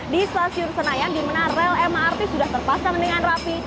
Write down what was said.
di stasiun senayan di mana rel mrt sudah terpasang dengan rapi